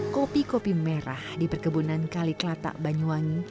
kopi kopi merah di perkebunan kaliklata banyuwangi